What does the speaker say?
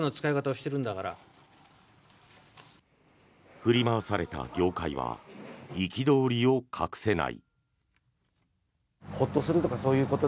振り回された業界は憤りを隠せない。